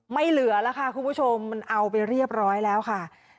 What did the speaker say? เหลือแล้วค่ะคุณผู้ชมมันเอาไปเรียบร้อยแล้วค่ะ